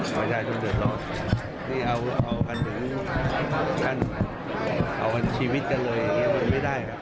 ไม่ได้ช่วงเดิมต่อนี่เอากันถึงขั้นเอากันชีวิตกันเลยอย่างนี้มันไม่ได้